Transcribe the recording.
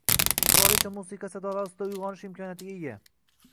Qirolicha musiqa sadolari ostida uyg‘onish imkoniyatiga ega